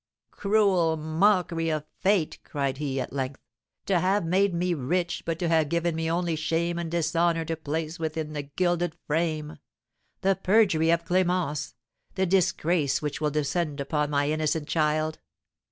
"Cruel mockery of fate!" cried he, at length, "to have made me rich, but to have given me only shame and dishonour to place within the gilded frame: the perjury of Clémence, the disgrace which will descend upon my innocent child.